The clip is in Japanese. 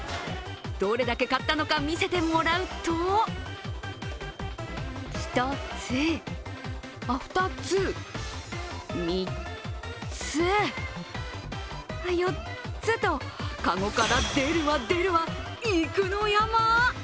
どれだけ買ったのか見せてもらうと、１つ、２つ、３つ、４つとかごから出るわ、出るわ、肉の山。